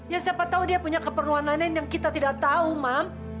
ya siapa tahu dia punya keperluan lain lain yang kita tidak tahu mam